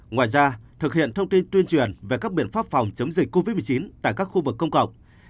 ngoài ra thực hiện thông tin tuyên truyền về các biện pháp phòng chống dịch covid một mươi chín tại các khu vực công cộng